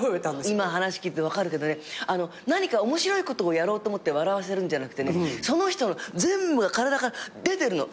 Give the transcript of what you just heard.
今話聞いてて分かるけど何か面白いことをやろうと思って笑わせるんじゃなくてその人の全部が体から出てるの。